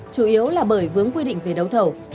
chủ yếu là bởi vướng quy định về đấu thầu